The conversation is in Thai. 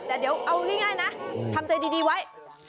แต่เดี๋ยวเอาง่ายนะทำใจดีไว้